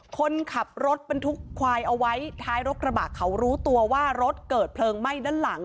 คนขับรถบรรทุกควายเอาไว้ท้ายรถกระบะเขารู้ตัวว่ารถเกิดเพลิงไหม้ด้านหลัง